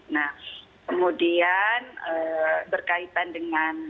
nah kemudian berkaitan dengan